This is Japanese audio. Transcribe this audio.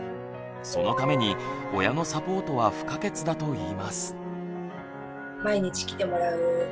そのために親のサポートは不可欠だといいます。